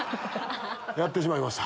やってしまいました。